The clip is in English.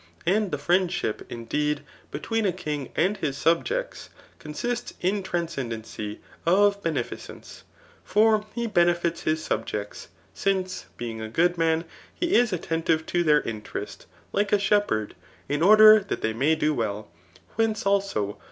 And the friendsh^, Hideed, between a king and bis^ subject conttsts in tran^ scendency of beneficence ; fo^ bie benefits bis subjects^ Ance, being a good man, he as«tt^itite to their interest like ashepherdyrinorder^hatthey maytleifrelL Wbenee^ tdso.